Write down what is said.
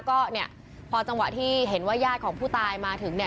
ก็พอจังหวะที่เห็นว่ายาดของผู้ตายมาถึง